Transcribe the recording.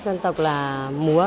dựng vào múa